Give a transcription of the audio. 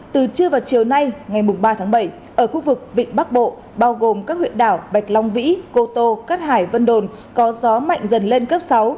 từ trưa vào chiều nay ngày ba tháng bảy ở khu vực vịnh bắc bộ bao gồm các huyện đảo bạch long vĩ cô tô cát hải vân đồn có gió mạnh dần lên cấp sáu